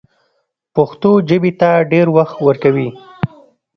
پښتو ژبې ته ډېر وخت ورکوي